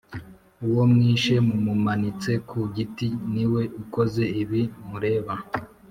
Uwo mwishe mumumanitse ku giti niwe ukoze ibi mureba